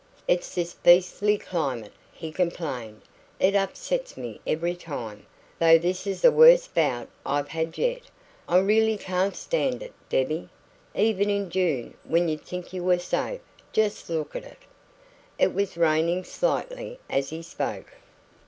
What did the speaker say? "It's this beastly climate," he complained. "It upsets me every time though this is the worst bout I've had yet. I really can't stand it, Debbie. Even in June, when you'd think you were safe just look at it!" It was raining slightly as he spoke.